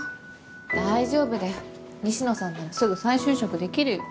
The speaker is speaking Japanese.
大丈夫だよ西野さんならすぐ再就職できるよ。